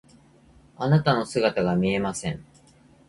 あなたの姿が見えません。